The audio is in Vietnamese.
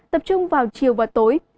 tập trung vào chiều và tối